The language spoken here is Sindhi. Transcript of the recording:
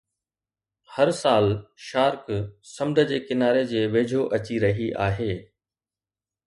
هر سال شارڪ سمنڊ جي ڪناري جي ويجهو اچي رهي آهي